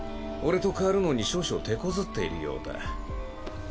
俺と代わるのに少々てこずっているようだ。